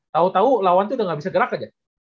tau tau lawan tuh udah gak bisa gerak aja